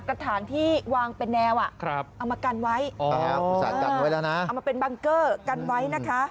กระถางที่วางเป็นแนวเอามากันไว้เอามาเป็นบังเกอร์กันไว้นะคะ